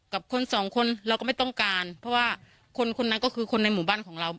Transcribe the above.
กับคนสองคนเราก็ไม่ต้องการเพราะว่าคนคนนั้นก็คือคนในหมู่บ้านของเรา